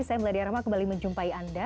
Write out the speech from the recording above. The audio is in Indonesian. saya meladia rahma kembali menjumpai anda